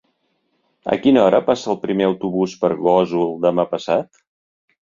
A quina hora passa el primer autobús per Gósol demà passat?